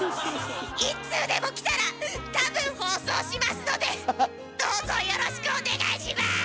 １通でも来たら多分放送しますのでどうぞよろしくお願いします！